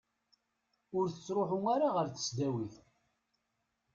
Ur tettruḥu ara ɣer tesdawit.